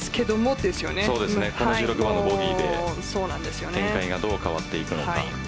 １６番のボギーで展開がどう変わっていくのか。